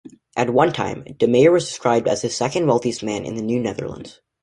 At one time, DeMayer was described as "the second-wealthiest man in the New Netherlands".